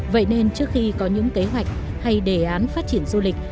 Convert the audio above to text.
vậy nên trước khi có những kế hoạch hay đề án phát triển du lịch